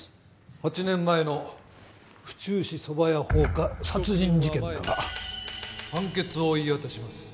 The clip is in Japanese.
８年前の府中市蕎麦屋放火殺人事件だが判決を言い渡します